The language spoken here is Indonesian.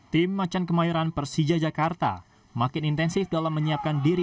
tim macan kemayoran persija jakarta makin intensif dalam menyiapkan diri